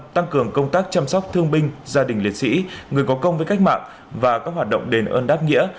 tăng cường công tác chăm sóc thương binh gia đình liệt sĩ người có công với cách mạng và các hoạt động đền ơn đáp nghĩa